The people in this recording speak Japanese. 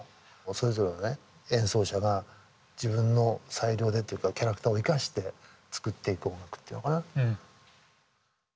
それぞれの演奏者が自分の裁量でっていうかキャラクターを生かして作っていく音楽っていうのかな。